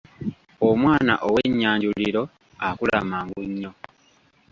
Omwana ow’Ennyanjuliro akula mangu nnyo.